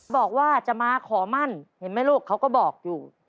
บอกว่าจะมาขอมั่นเห็นไหมลูกเขาก็บอกอยู่